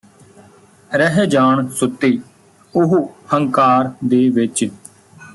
ਰਹਿ ਜਾਣ ਸੁੱਤੇ ਉਹ ਹੰਕਾਰ ਦੇ ਵਿੱਚ